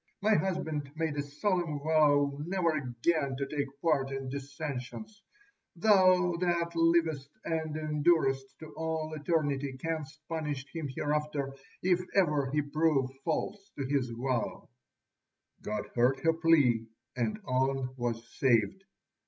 My husband made a solemn vow never again to take part in dissensions. Thou that livest and endurest to all eternity canst punish him hereafter if ever he prove false to his vow." God heard her plea, and On was saved.